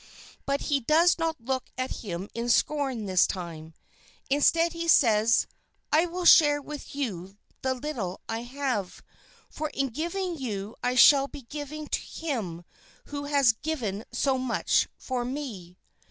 But he does not look at him in scorn this time. Instead, he says, "I will share with you the little that I have, for in giving to you I shall be giving to Him who has given so much for me."